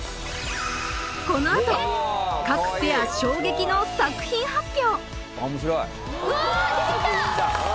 このあと各ペア衝撃の作品発表